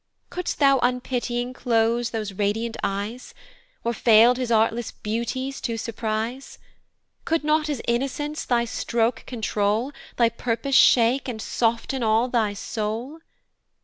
Could'st thou unpitying close those radiant eyes? Or fail'd his artless beauties to surprise? Could not his innocence thy stroke controul, Thy purpose shake, and soften all thy soul?